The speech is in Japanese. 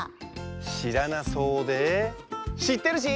しらなそうでしってるし！